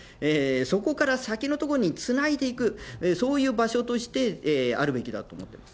そこから先のところにつないでいく、そういう場所としてあるべきだと思ってます。